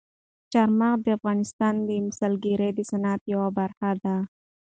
چار مغز د افغانستان د سیلګرۍ د صنعت یوه برخه ده.